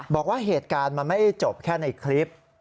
บอกว่าเหตุการณ์มันไม่ได้จบแค่ในคลิป